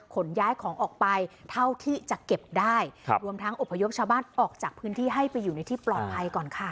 ขนย้ายของออกไปเท่าที่จะเก็บได้รวมทั้งอบพยพชาวบ้านออกจากพื้นที่ให้ไปอยู่ในที่ปลอดภัยก่อนค่ะ